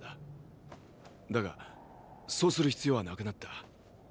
だがそうする必要はなくなった。